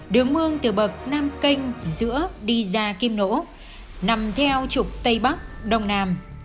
đường mương từ bậc nam kênh giữa đi ra kim nỗ nằm theo trục tây bắc đông nam